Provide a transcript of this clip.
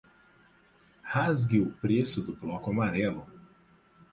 Rasgue o preço do bloco amarelo.